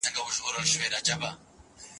ویجاړه ده پینډۍ له منظوري لوړې نارې نه